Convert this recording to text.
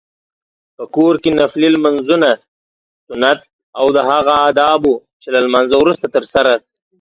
په کور کې نفلي لمونځونه، سنت او هغه ادبونه چې له لمانځته وروسته ترسره